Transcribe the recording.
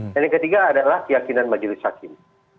dan yang ketiga adalah keyakinan majelis sakin